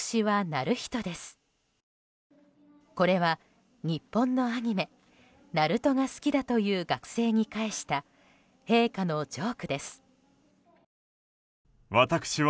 これは、日本のアニメ「ＮＡＲＵＴＯ‐ナルト‐」が好きだという学生に返した陛下のジョークです。